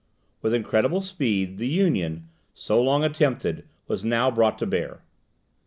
With incredible speed, the union, so long attempted, was now brought to bear.